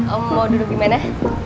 om mau duduk gimana